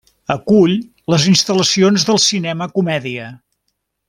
Acull les instal·lacions del Cinema Comèdia.